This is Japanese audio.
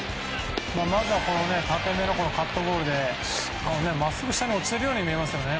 まずは縦めのカットボールでまっすぐ下に落ちているように見えますね。